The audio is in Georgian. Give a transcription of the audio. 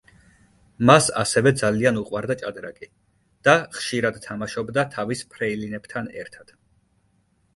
მას ასევე ძალიან უყვარდა ჭადრაკი და ხშირად თამაშობდა თავის ფრეილინებთან ერთად.